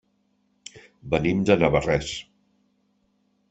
Venim de Navarrés.